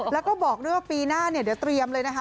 แล้วก็บอก้นว่าปีหน้าเดี๋ยวเตรียมเลยนะคะ